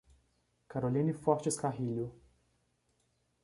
Caroline Fortes Carrilho